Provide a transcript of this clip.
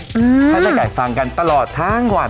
ให้แม่ไก่ฟังกันตลอดทั้งวัน